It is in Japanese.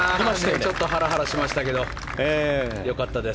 ちょっとハラハラしましたけど良かったです。